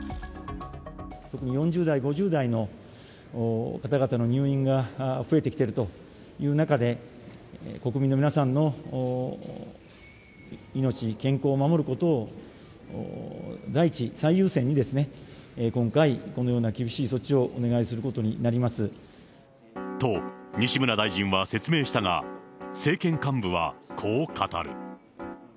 特に４０代、５０代の方々の入院が増えてきているという中で、国民の皆さんの命、健康を守ることを第一、最優先に、今回、このような厳しい措置をお願いすることになりまと、西村大臣は説明したが、政権幹部はこう語る。